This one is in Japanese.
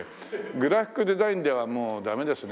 グラフィックデザインではもうダメですね。